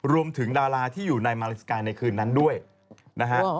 รวมถึงดาราที่อยู่ในมาลักษณ์กายในคืนนั้นด้วยนะฮะ